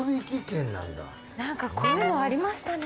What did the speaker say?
なんかこういうのありましたね。